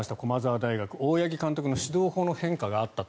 大八木監督の指導法の変化があったと。